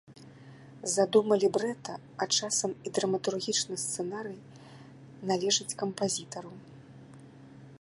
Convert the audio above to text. Задума лібрэта, а часам і драматургічны сцэнарый належаць кампазітару.